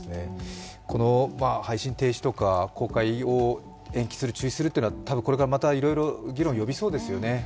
この配信停止とか公開を延期する中止するっていうのは多分これからいろいろ議論を呼びそうですよね。